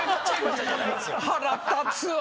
腹立つわ。